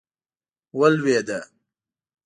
ولوېده.